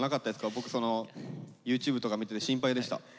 僕そのＹｏｕＴｕｂｅとか見てて心配でした。